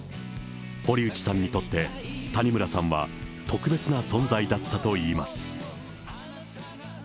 堀内さんにとって谷村さんは特別な存在だったといいます。